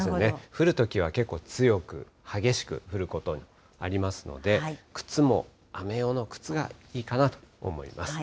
降るときは結構強く、激しく降ることありますので、靴も雨用の靴がいいかなと思います。